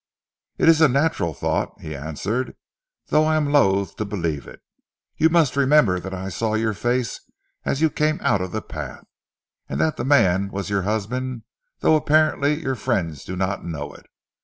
"It is a natural thought," he answered, "though I am loathe to believe it. You must remember that I saw your face as you came out of the path; and that the man was your husband, though apparently your friends do not know it.